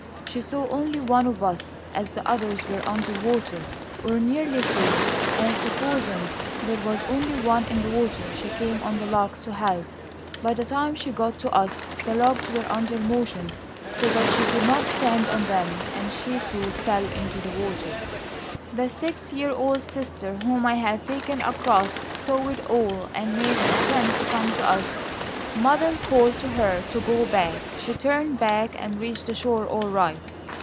She saw only one of us, as the others were under water, or nearly so, and, supposing there was only one in the water, she came on the logs to help. By the time she got to us, the logs were under motion, so that she could not stand on them; and she, too, fell into the water. The six year old sister, whom I had taken across, saw it all and made an attempt to come to us. Mother called to her to go back. She turned back, and reached the shore all right.